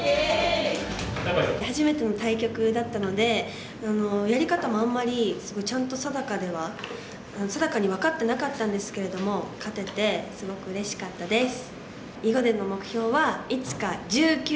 初めての対局だったのでやり方もあんまりすごいちゃんと定かでは定かに分かってなかったんですけれども勝ててすごくうれしかったです！